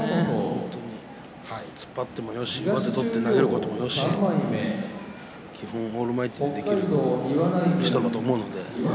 本当に突っ張ってもよし上手を取って投げるのもよし基本オールマイティーでできると思うので。